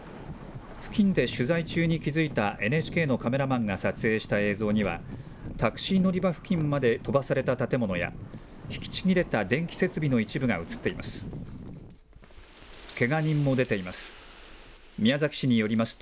付近で取材中に気付いたＮＨＫのカメラマンが撮影した映像には、タクシー乗り場付近まで飛ばされた建物や、引きちぎれた電気設備の一部が写っています。